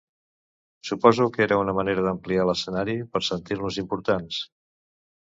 Suposo que era una manera d'ampliar l'escenari per sentir-nos importants.